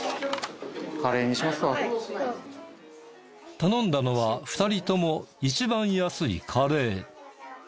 頼んだのは２人とも一番安いカレー。